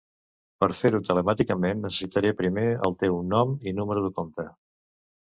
Per fer-ho telemàticament necessitaré primer el teu nom i el número de compte.